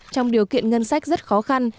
trong điều kiện ngân sách rất khó khăn